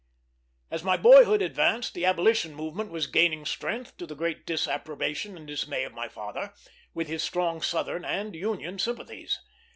As my boyhood advanced the abolition movement was gaining strength, to the great disapprobation and dismay of my father, with his strong Southern and Union sympathies.